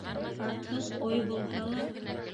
Атһыҙ ой булһа ла